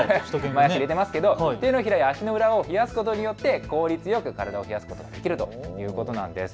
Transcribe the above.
手のひらや足の裏を冷やすことによって効率よく体を冷やすことができるということなんです。